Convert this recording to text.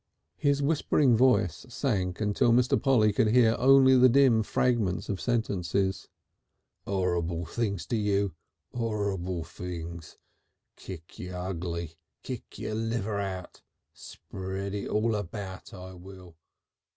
His whispering voice sank until Mr. Polly could hear only the dim fragments of sentences. "Orrible things to you 'orrible things.... Kick yer ugly.... Cut yer liver out... spread it all about, I will....